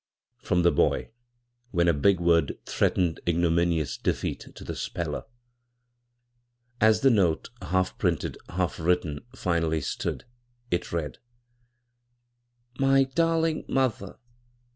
from the boy when a big word threatened ignominious defeat to the speller. As the note — half printed, half written — finally stood, it read :" My darling muther.